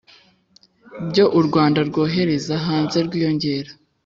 byo u Rwanda rwohereza hanze rwiyongera